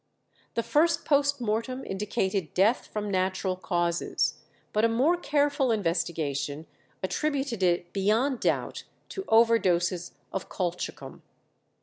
The first post mortem indicated death from natural causes, but a more careful investigation attributed it beyond doubt to over doses of colchicum.